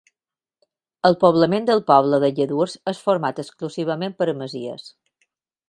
El poblament del poble de Lladurs és format exclusivament per masies.